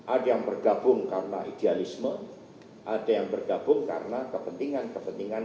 ada yang bergabung karena idealisme ada yang bergabung karena kepentingan kepentingan